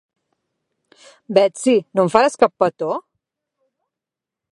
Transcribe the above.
Betsy, no em faràs cap petó?